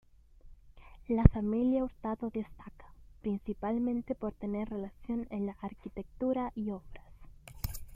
La familia Hurtado destaca, principalmente por tener relación en la arquitectura y obras.